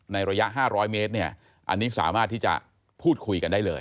ระยะ๕๐๐เมตรเนี่ยอันนี้สามารถที่จะพูดคุยกันได้เลย